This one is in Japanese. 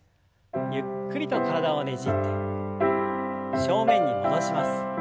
ゆっくりと体をねじって正面に戻します。